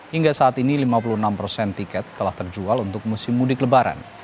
hingga saat ini lima puluh enam persen tiket telah terjual untuk musim mudik lebaran